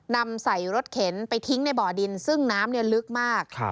นำใส่รถเข็นไปทิ้งในบ่อดินซึ่งน้ำลึกมาก